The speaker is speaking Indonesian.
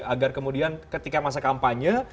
agar kemudian ketika masa kampanye